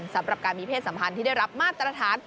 สำหรับการมีเพศสัมพันธ์ที่ได้รับมาตรฐาน